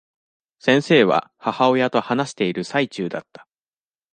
先生は、母親と話している最中だった。